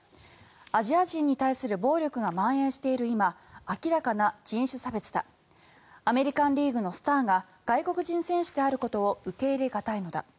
アジア人に対する暴力がまん延している今明らかな人種差別だアメリカン・リーグのスターが外国人選手であることを受け入れ難いのだ。